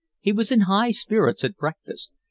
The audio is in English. He was in high spirits at breakfast.